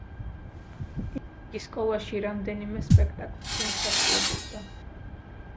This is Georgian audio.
იგი სკოლაში რამდენიმე სპექტაკლში მსახიობობდა.